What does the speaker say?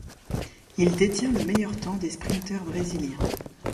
Il détient le meilleur temps des sprinteurs brésiliens.